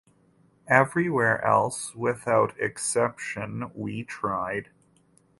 Everywhere else, without exception, we tried.